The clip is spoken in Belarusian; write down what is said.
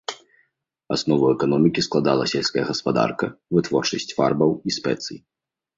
Аснову эканомікі складала сельская гаспадарка, вытворчасць фарбаў і спецый.